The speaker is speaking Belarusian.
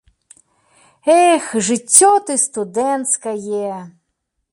Эх, жыццё ты студэнцкае!